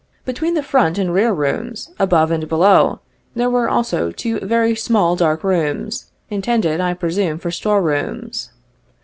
Between the front and rear rooms, above and below, there were also two very small dark rooms, intended, I presume, for store rooms.